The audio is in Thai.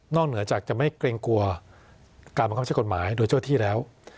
เหนือจากจะไม่เกรงกลัวการบังคับใช้กฎหมายโดยเจ้าที่แล้ว